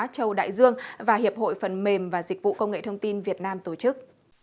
châu đại dương và hiệp hội phần mềm và dịch vụ công nghệ thông tin việt nam tổ chức